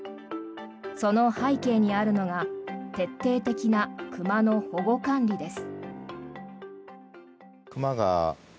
その背景にあるのが徹底的な熊の保護管理です。